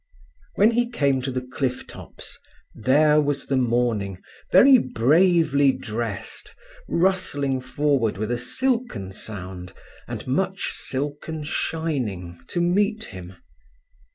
When he came to the cliff tops there was the morning, very bravely dressed, rustling forward with a silken sound and much silken shining to meet him.